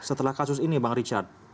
setelah kasus ini bang richard